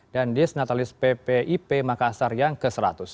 disnatalis ppip makassar yang ke seratus